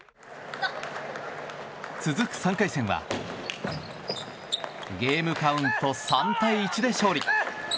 続く３回戦はゲームカウント３対１で勝利。